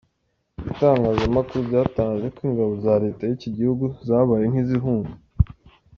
Ibitangazamakuru byatangaje ko ingabo za leta y’iki gihugu zabaye nk’izihunga.